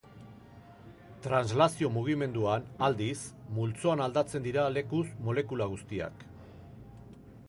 Translazio mugimenduan, aldiz, multzoan aldatzen dira lekuz molekula guztiak.